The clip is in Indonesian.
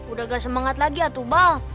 udah gak semangat lagi ya tuba